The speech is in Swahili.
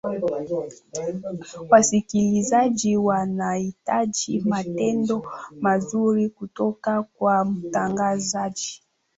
wasikilizaji wanahitaji matendo mazuri kutoka kwa mtangazaji